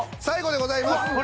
最後でございます。